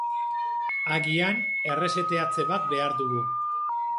Agian erreseteatze bat behar dugu.